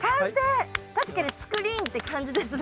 確かにスクリーンって感じですね。